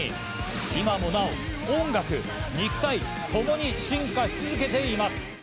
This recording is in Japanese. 今もなお、音楽、肉体ともに進化し続けています。